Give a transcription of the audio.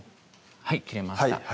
はい切れました